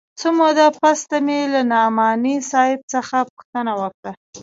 څه موده پس ته مې له نعماني صاحب څخه پوښتنه وکړه.